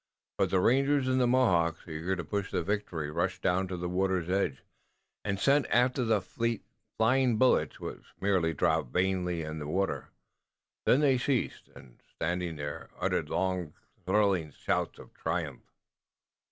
But the rangers and the Mohawks, eager to push the victory, rushed down to the water's edge and sent after the flying fleet bullets which merely dropped vainly in the water. Then they ceased, and, standing there, uttered long thrilling shouts of triumph.